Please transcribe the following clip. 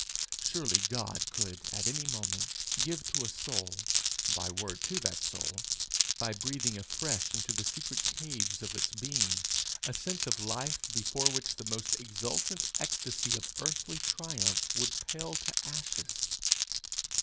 Surely God could at any moment give to a soul, by a word to that soul, by breathing afresh into the secret caves of its being, a sense of life before which the most exultant ecstasy of earthly triumph would pale to ashes!